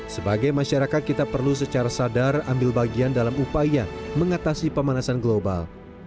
sebagai masyarakat kita perlu secara sadar ambil bagian dalam upaya mengatasi pemanasan global